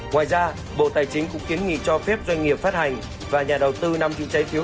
ngoài ra bộ tài chính cũng kiến nghị cho phép doanh nghiệp phát hành và nhà đầu tư nắm giữ trái phiếu